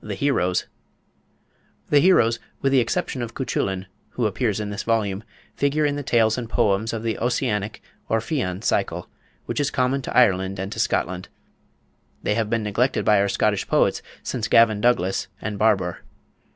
THE HEROES. The heroes, with the exception of Cuchullin, who appear in this volume, figure in the tales and poems of the Ossianic or Fian Cycle, which is common to Ireland and to Scotland. They have been neglected by our Scottish poets since Gavin Douglas and Barbour.